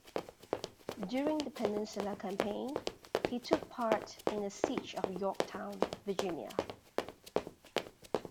During the Peninsula Campaign, he took part in the siege of Yorktown, Virginia.